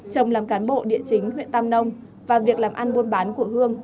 chồng làm cán bộ địa chính huyện tam nông và việc làm ăn buôn bán của hương